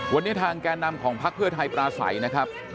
วันนี้ทางแก่นำของพักเพื่อไทยปราศัยนะครับ